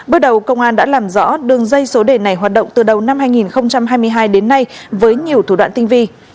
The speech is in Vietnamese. bước đầu công an đã làm rõ đường dây số đề này hoạt động từ đầu năm hai nghìn hai mươi hai đến nay với nhiều thủ đoạn tinh vi